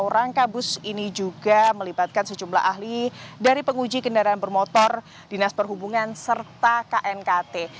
rangka bus ini juga melibatkan sejumlah ahli dari penguji kendaraan bermotor dinas perhubungan serta knkt